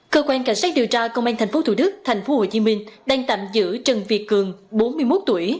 cơ quan cảnh sát điều tra công an tp thủ đức tp hồ chí minh đang tạm giữ trần việt cường bốn mươi một tuổi